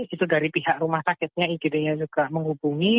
itu dari pihak rumah sakitnya igd nya juga menghubungi